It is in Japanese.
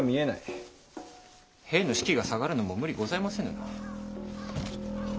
兵の士気が下がるのも無理ございませぬな。